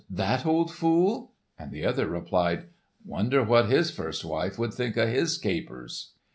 that old fool?" and the other replied, "Wonder what his first wife would think of his capers?"